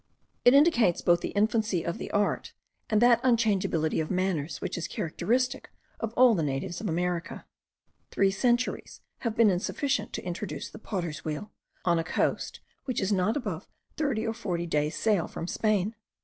It indicates both the infancy of the art, and that unchangeability of manners which is characteristic of all the natives of America. Three centuries have been insufficient to introduce the potter's wheel, on a coast which is not above thirty or forty days' sail from Spain.